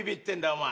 お前。